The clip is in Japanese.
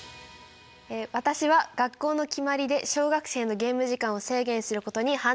私は学校の決まりで小学生のゲーム時間を制限することに反対である。